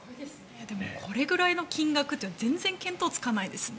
これぐらいの金額って全然見当つかないですね。